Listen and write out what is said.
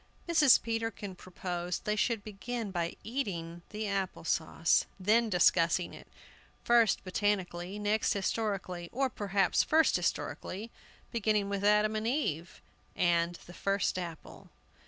Mrs. Peterkin proposed they should begin by eating the apple sauce, then discussing it, first botanically, next historically; or perhaps first historically, beginning with Adam and Eve, and the first apple.